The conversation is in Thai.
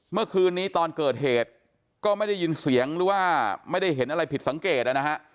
เมื่อคืนนี้ตอนเกิดเหตุก็ไม่ได้ยินเสียงหรือว่าไม่ได้เห็นอะไรผิดสังเกตนะฮะ